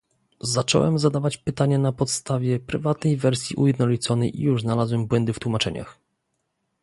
Zacząłem zadawać pytania na podstawie prywatnej wersji ujednoliconej i już znalazłem błędy w tłumaczeniach